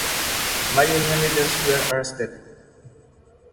Many union leaders were arrested.